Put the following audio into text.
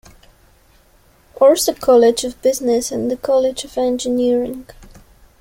Ourso College of Business and the College of Engineering.